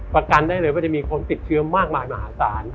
ประกันได้เลยว่าจะมีคนติดเชื้อมากมายมหาศาล